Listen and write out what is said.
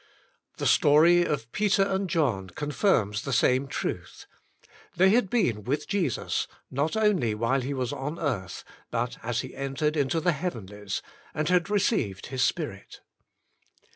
The story of Peter and John confirms the same truth: they had been with Jesus not only while He was on earth, but as He entered into the heav enlies, and had received His spirit.